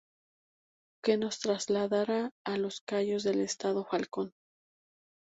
Que nos trasladará a los cayos del Estado Falcón.